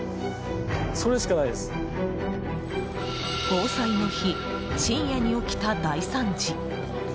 防災の日、深夜に起きた大惨事。